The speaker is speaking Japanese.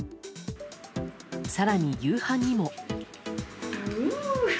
更に夕飯にも。